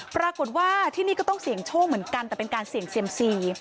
ปรากฏว่าที่นี่ก็ต้องเสี่ยงโชคเหมือนกันแต่เป็นการเสี่ยงเซียมซี